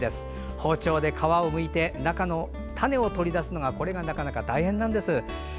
包丁で皮をむいて中の種を取り出すのがなかなか大変なんです。